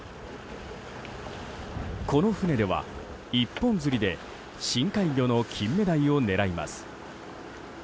この船では、一本釣りで深海魚のキンメダイを狙います。